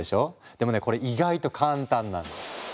でもねこれ意外と簡単なの。